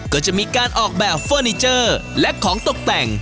ก็จะมีการออกแบบเฟอร์นิเจอร์และของตกแต่ง